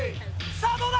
さぁどうだ？